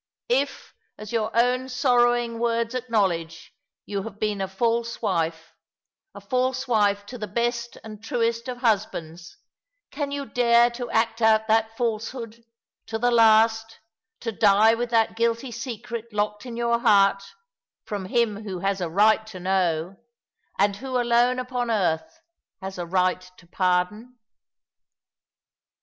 If, as your own sorrowing words acknowledge, you have been a false wife — a false wife to the best and truest of husbands, can you dare to act out that falsehood to the last, to die with that guilty secret locked in your heart, from him who has a right to know, — and who alone upon earth has a right to pardon."